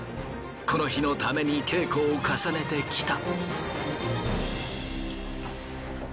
この日のために稽古を重ねてきた。